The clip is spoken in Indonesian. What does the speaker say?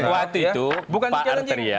waktu itu pak arteria